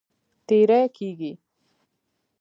تېری کیږي.